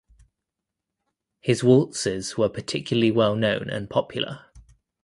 His waltzes were particularly well known and popular.